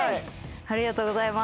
ありがとうございます。